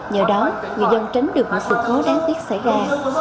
nhờ đó người dân tránh được một sự khối đáng tiếc xảy ra